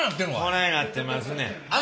こないなってますねん。